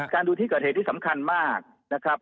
ดูที่เกิดเหตุที่สำคัญมากนะครับ